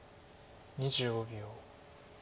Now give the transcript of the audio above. ２５秒。